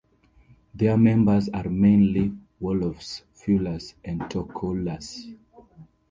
Their members are mainly Wolofs, Fulas and Tocouleurs.